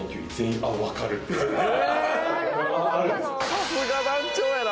「さすが団長やな！」